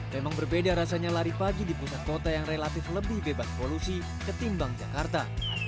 memang berbeda rasanya lari pagi di pusat kota yang relatif lebih bebas polusi ketimbang jakarta